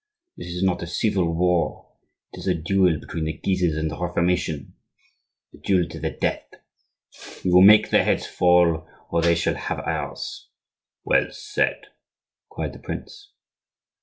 This is not a civil war; it is a duel between the Guises and the Reformation,—a duel to the death! We will make their heads fall, or they shall have ours." "Well said!" cried the prince.